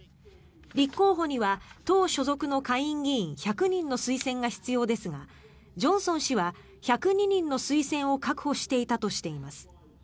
立候補には党所属の下院議員１００人の推薦が必要ですがジョンソン氏は１０２人の推薦を確保していたとしています。